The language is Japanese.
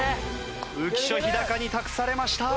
浮所飛貴に託されました。